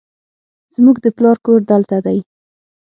زموږ د پلار کور دلته دی